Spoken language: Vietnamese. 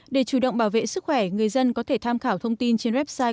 để chủ động bảo vệ sức khỏe người dân có thể tham khảo thông tin trên website